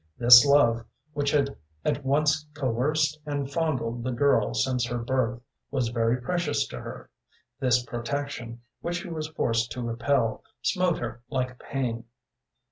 This love, which had at once coerced and fondled the girl since her birth, was very precious to her. This protection, which she was forced to repel, smote her like a pain.